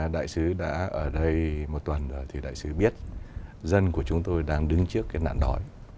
đại sứ đã ở đây một tuần rồi thì đại sứ biết dân của chúng tôi đang đứng trước cái nạn đói